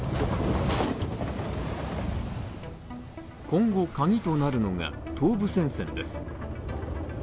今後、鍵となるのが東部戦線です。